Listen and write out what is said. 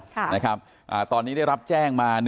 ค่ะนะครับตอนนี้ได้รับแจ้งมา